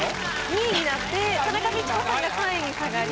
２位になって田中道子さんが３位に下がり。